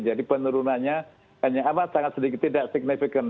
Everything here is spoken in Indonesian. jadi penurunannya hanya amat sangat sedikit tidak signifikan